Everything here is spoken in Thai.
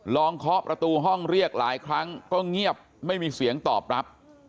เคาะประตูห้องเรียกหลายครั้งก็เงียบไม่มีเสียงตอบรับ